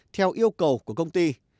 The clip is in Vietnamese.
theo yêu cầu của công ty